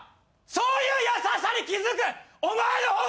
そういう優しさに気付くお前の方が優しいよ！